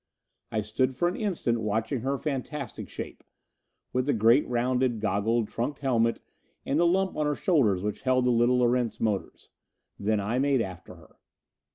I stood for an instant watching her fantastic shape, with the great rounded, goggled, trunked helmet and the lump on her shoulders which held the little Erentz motors. Then I made after her.